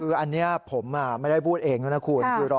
คืออันนี้ผมไม่ได้พูดเองด้วยนะคุณ